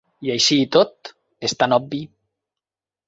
I així i tot és tan obvi.